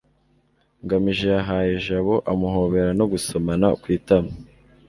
ngamije yahaye jabo amuhobera no gusomana ku itama